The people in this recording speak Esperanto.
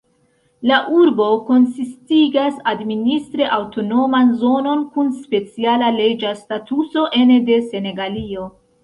La urbo konsistigas administre aŭtonoman zonon kun speciala leĝa statuso ene de Senegalio.